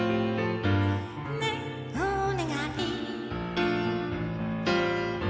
「ねぇおねがい」